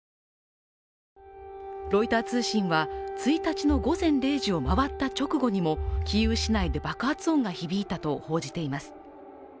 ロイター通信は１日の午前０時を回った直後にもキーウ市内で爆発音が響いたと報じています。